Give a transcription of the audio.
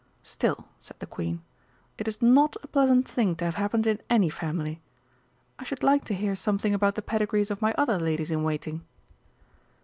"Still," said the Queen, "it is not a pleasant thing to have happened in any family. I should like to hear something about the pedigrees of my other ladies in waiting."